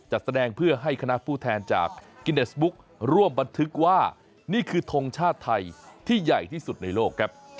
จัดแสดงเพื่อให้คณะผู้แทนจากกิเนสบุ๊กร่วมบันทึกว่านี่คือทงชาติไทยที่ใหญ่ที่สุดในโลกครับ